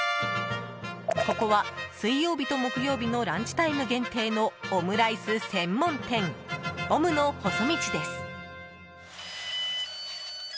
ここは、水曜日と木曜日のランチタイム限定のオムライス専門店オムの細道です。